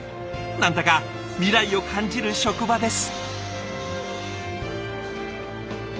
何だか未来を感じる職場です。